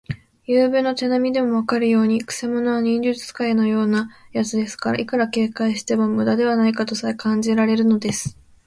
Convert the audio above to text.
ゆうべの手なみでもわかるように、くせ者は忍術使いのようなやつですから、いくら警戒してもむだではないかとさえ感じられるのです。